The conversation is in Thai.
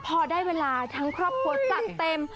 พอได้เวลาทั้งครอบครัวจัดเต็ม